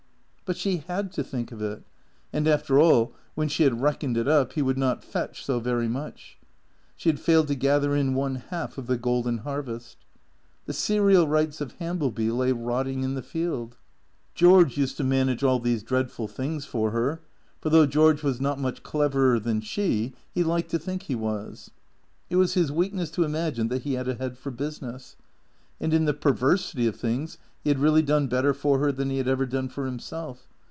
But she had to think of it ; and after all, when she had reck oned it up, he would not " fetch " so very much. She had failed to gather in one half of the golden harvest. The serial rights of Hambleby lay rotting in the field. George used to manage all these dreadful things for her. For though George was not much cleverer than she he liked to think he was. It was his weakness to imagine that he had a head for business. And in the perversity of things he had really done better for her than he had ever done for himself.